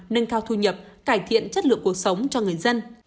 nâng cao thu nhập cải thiện chất lượng cuộc sống cho người dân